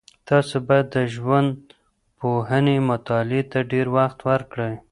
تاسو باید د ژوندپوهنې مطالعې ته ډېر وخت ورکړئ.